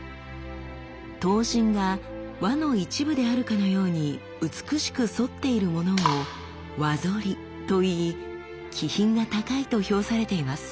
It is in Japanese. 刀身が輪の一部であるかのように美しく反っているものを「輪反り」といい気品が高いと評されています。